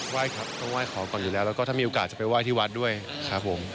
ครับต้องไห้ขอก่อนอยู่แล้วแล้วก็ถ้ามีโอกาสจะไปไหว้ที่วัดด้วยครับผม